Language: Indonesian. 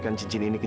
kamu engga sih guru